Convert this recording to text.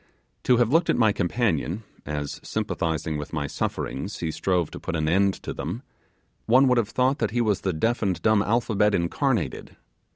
To have looked at my companion, as, sympathizing with my sufferings, he strove to put an end to them, one would have thought that he was the deaf and dumb alphabet incarnated.